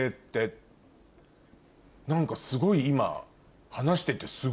何かすごい今話してて。